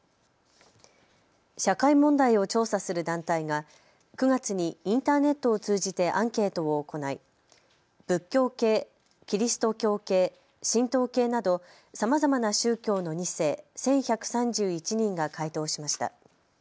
社会問題を調査する団体が９月にインターネットを通じてアンケートを行い仏教系、キリスト教系、神道系などさまざまな宗教の２世、１１３１人が回答しました。